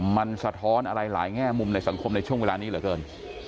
มันสะท้อนอะไรหลายแง่มุมในสังคมในช่วงเวลานี้เหลือเกิน